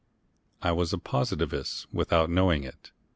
I was a Positivist without knowing it.